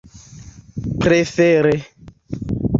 prefere